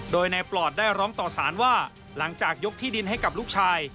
โดยนายปลอดได้ร้องต่อสารว่าหลังจากยกที่ดินให้กับลูกชาย